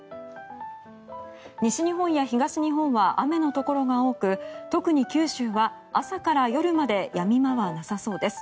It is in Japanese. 西日本や東日本は雨のところが多く特に九州は朝から夜までやみ間はなさそうです。